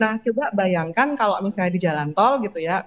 nah coba bayangkan kalau misalnya di jalan tol gitu ya